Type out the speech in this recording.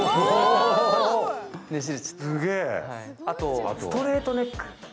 あとストレートネック。